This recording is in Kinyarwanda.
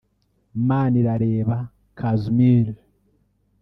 Manirareba Casmir